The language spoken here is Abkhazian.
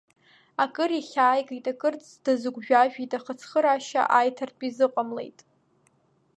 Акыр ихьааигеит, акыр дазыгәжәажәеит, аха цхыраашьа аиҭартә изыҟамлеит.